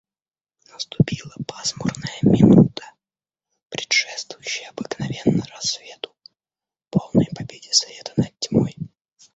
Наступила пасмурная минута, предшествующая обыкновенно рассвету, полной победе света над тьмой.